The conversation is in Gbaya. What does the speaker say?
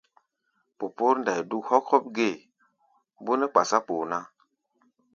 Popǒr ndai dúk hokop gée, bó nɛ́ kpásá kpoo ná.